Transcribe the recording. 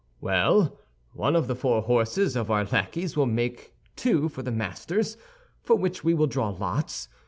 "Well, of the four horses of our lackeys we will make two for the masters, for which we will draw lots.